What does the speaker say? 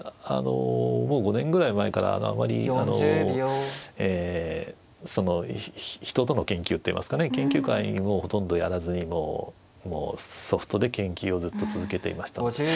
あのもう５年ぐらい前からあまりその人との研究っていいますかね研究会をほとんどやらずにソフトで研究をずっと続けていましたので。